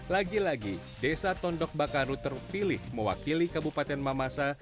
lagi lagi desa tondok bakaru terpilih mewakili kabupaten mamasa